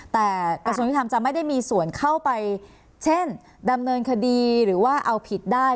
แต่กระทรวงยุทธรรมจะไม่ได้มีส่วนเข้าไปเช่นดำเนินคดีหรือว่าเอาผิดได้